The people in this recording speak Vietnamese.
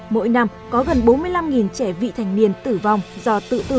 mỗi năm có gần bốn mươi năm trẻ vị thành niên tử vong do tự tử